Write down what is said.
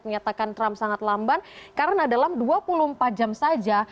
menyatakan trump sangat lamban karena dalam dua puluh empat jam saja